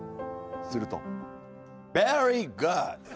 すると。